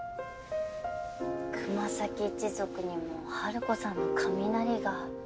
熊咲一族にもハルコさんの雷が。